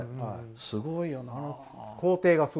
すごいよね。